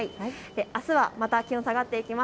あすはまた気温が下がっていきます。